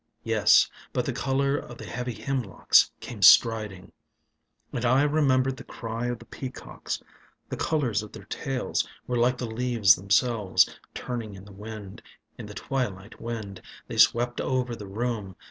Yes : but the color of the heavy hemlocks Came striding ŌĆö And I remembered the cry of the peacocks. The colors of their tails Were like the leaves themselves ŌĆó Turning in the wind, In the twilight wind. They swept over the room.